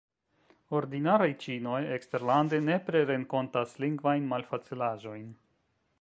Ordinaraj ĉinoj eksterlande nepre renkontas lingvajn malfacilaĵojn.